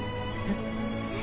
えっ！